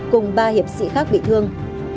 cùng ba hiệp sĩ khác bị thương